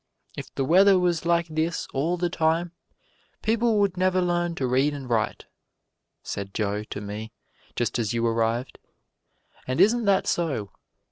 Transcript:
"'If the weather was like this all the time, people would never learn to read and write,' said Joe to me just as you arrived. And isn't that so?